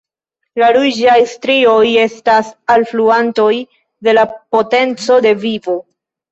La ruĝaj strioj estas alfluantoj de la potenco de vivo.